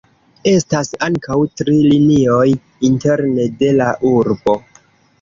Estas ankaŭ tri linioj interne de la urbo.